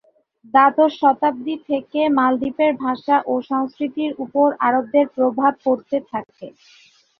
দ্বাদশ শতাব্দি থেকে মালদ্বীপের ভাষা ও সংস্কৃতির উপর আরবদের প্রভাব পড়তে থাকে।